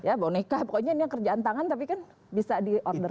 ya boneka pokoknya ini yang kerjaan tangan tapi kan bisa di order